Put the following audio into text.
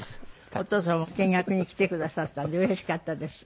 お父様も見学に来てくださったんでうれしかったです。